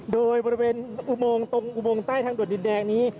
โดยบริเวณอุโมงตรงอุโมงใต้ทางด่วนดินแดงนี้